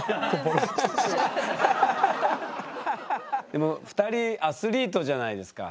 でも２人アスリートじゃないですか。